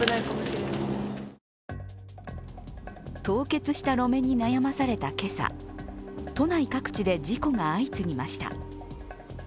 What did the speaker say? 凍結した路面に悩まされた今朝、都内各地で事故が相次ぎました。